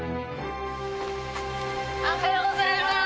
おはようございます。